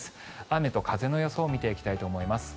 雨と風の予想を見ていきたいと思います。